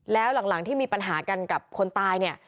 แล้วหลังที่มีปัญหากันกับคนตายเนี่ย